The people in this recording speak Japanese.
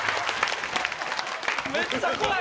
めっちゃ怖い！